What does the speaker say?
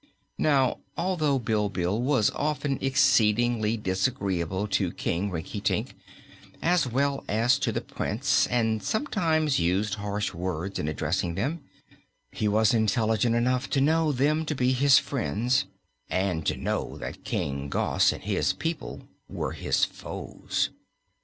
Now, although Bilbil was often exceedingly disagreeable to King Rinkitink, as well as to the Prince, and sometimes used harsh words in addressing them, he was intelligent enough to know them to be his friends, and to know that King Gos and his people were his foes.